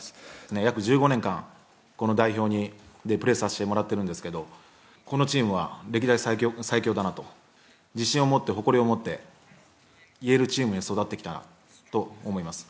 約１５年間、この代表でプレーさせてもらってるんですけど、このチームは歴代最強だなと、自信を持って、誇りを持って言えるチームに育ってきたなと思います。